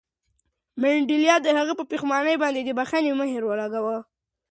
منډېلا د هغه په پښېمانۍ باندې د بښنې مهر ولګاوه.